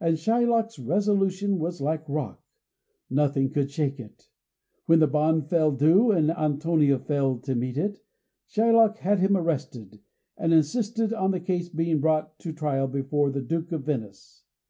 And Shylock's resolution was like rock nothing could shake it. When the bond fell due, and Antonio failed to meet it, Shylock had him arrested, and insisted on the case being brought to trial before the Duke of Venice.